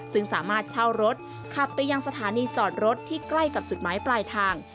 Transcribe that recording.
ซึ่งสามารถเช่ารถขับไปยังสถานีจอดรถที่ใกล้กับจุดหมายปลายทาง